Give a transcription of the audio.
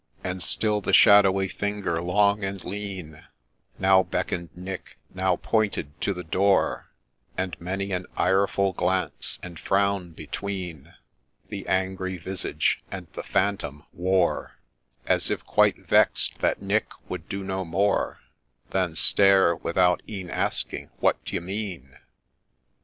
And still the shadowy finger, long and lean, Now beckon'd Nick, now pointed to the door ; And many an ireful glance, and frown, between, The angry visage of the Phantom wore, As if quite vex'd that Nick would do no more Than stare, without e'en asking, ' What d'ye mean